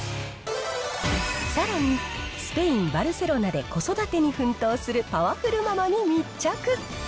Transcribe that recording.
さらに、スペイン・バルセロナで子育てに奮闘するパワフルママに密着。